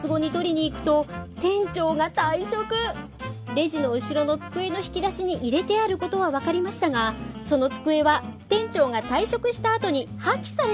レジの後ろの机の引き出しに入れてあることは分かりましたがその机は店長が退職したあとに破棄されていました。